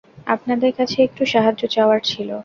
আপনাদের কাছে একটু সাহায্য চাওয়ার ছিল।